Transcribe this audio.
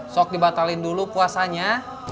sok dibatalin dulu puasanya